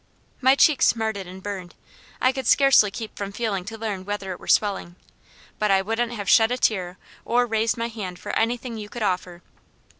My cheek smarted and burned. I could scarcely keep from feeling to learn whether it were swelling, but I wouldn't have shed a tear or raised my hand for anything you could offer.